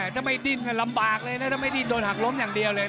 ถ้าไม่ดิ้นลำบากเลยนะถ้าไม่ดิ้นโดนหักล้มอย่างเดียวเลย